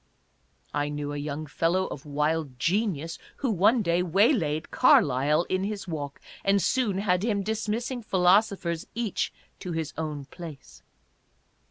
I knew a young fellow of wild genius who one day waylaid Car lyle in his walk and soon had him dismissing philosophers each to his own place.